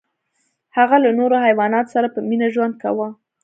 هغه له نورو حیواناتو سره په مینه ژوند کاوه.